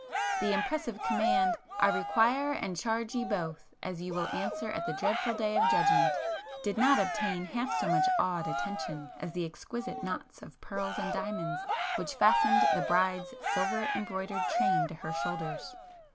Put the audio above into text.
The impressive command: "I require and charge ye both, as ye will answer at the dreadful day of judgment,"—did not obtain half so much awed attention as the exquisite knots of pearls and diamonds which fastened the bride's silver embroidered train to her shoulders.